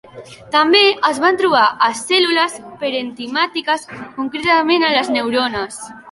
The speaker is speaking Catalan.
També es van trobar a cèl·lules parenquimàtiques, concretament a les neurones.